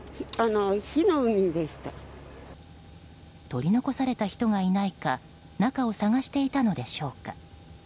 取り残された人がいないか中を探していたのでしょうか。